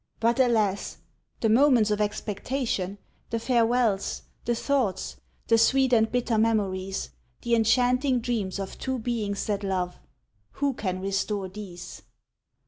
But alas ! the moments of expectation, the farewells, the thoughts, the sweet and bitter memories, the enchanting dreams of two beings that love ! Who can restore these